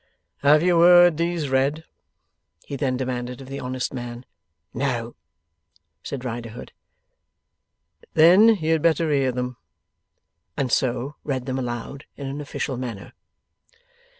'Have you heard these read?' he then demanded of the honest man. 'No,' said Riderhood. 'Then you had better hear them.' And so read them aloud, in an official manner.